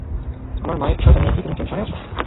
আমার মায়ের বিষয়টা নিয়ে কি তুমি টেনশনে আছো?